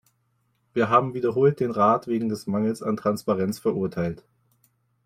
Wir haben wiederholt den Rat wegen des Mangels an Transparenz verurteilt.